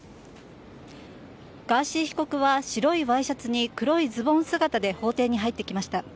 ガーシー被告は白いワイシャツに黒いズボン姿で法廷に入ってきました。